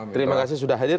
terima kasih sudah hadir